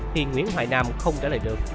thì nguyễn hoài nam không trả lời được